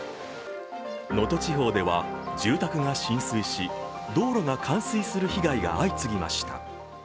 能登地方では住宅が浸水し道路が冠水する被害が相次ぎました。